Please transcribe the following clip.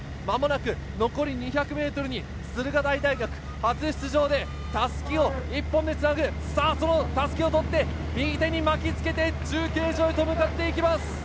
まもなく残り２００メートルに駿河台大学、初出場でたすきを一本でつなぐ、さあ、そのたすきを取って、右手に巻きつけて、中継所へと向かっていきます。